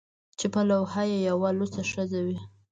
چې په لوحه کې یې یوه لوڅه ښځه وي